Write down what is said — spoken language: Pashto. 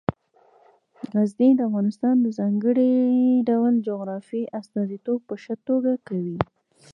غزني د افغانستان د ځانګړي ډول جغرافیې استازیتوب په ښه توګه کوي.